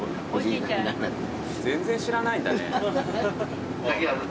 全然知らないんだね。